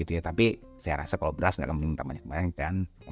tapi saya rasa kalau beras nggak kemungkinan minta banyak